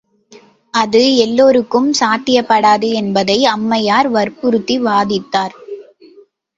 அது எல்லோர்க்கும் சாத்தியப்படாது என்பதை அம்மையார் வற்புறுத்தி வாதித்தார்.